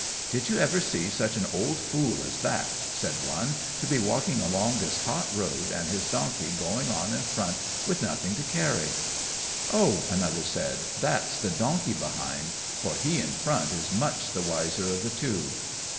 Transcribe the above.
"Did you ever see such an old fool as that," said one, "to be walking along this hot road, and his donkey going on in front with nothing to carry?" "Oh," another said, "that's the donkey behind, for he in front is much the wiser of the two."